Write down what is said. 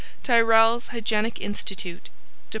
TYRRELL'S HYGIENIC INSTITUTE, Dept.